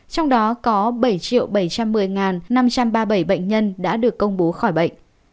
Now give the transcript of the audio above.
trong đó có bảy bảy trăm một mươi năm trăm ba mươi bảy bệnh nhân đã được công bố khỏi bệnh